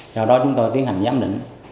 sau đó chúng tôi tiến hành giám định